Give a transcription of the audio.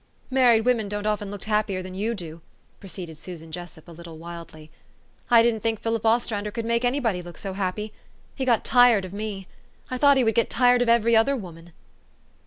"Married women don't often look happier than you do," proceeded Susan Jessup a little wildly. "I didn't think Philip Ostrander could make any body look so happy. He got tired of me. I thought he would get tired of every other woman."